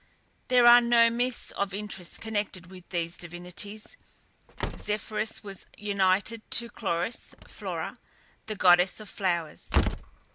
There are no myths of interest connected with these divinities. Zephyrus was united to Chloris (Flora), the goddess of flowers.